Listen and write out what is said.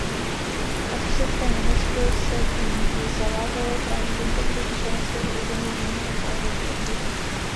Nacistické Německo se v ní zavázalo chránit integritu slovenského území výměnou za jeho podřízenost.